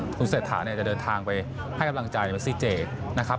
คุณเศรษฐาเนี่ยจะเดินทางไปให้กำลังใจเมซี่เจนะครับ